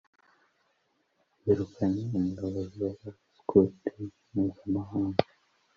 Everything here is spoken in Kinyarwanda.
yirukanye umuyobozi wabaskuti mpuzamahanga